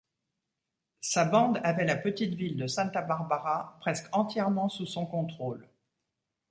Sa bande avait la petite ville de Santa Barbara presque entièrement sous son contrôle.